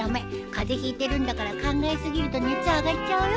風邪ひいてるんだから考えすぎると熱上がっちゃうよ。